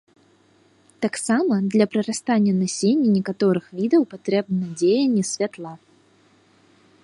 Таксама для прарастання насення некаторых відаў патрэбна дзеянне святла.